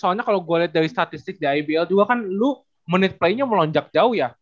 soalnya kalau gue lihat dari statistik di ibl juga kan lu menit play nya melonjak jauh ya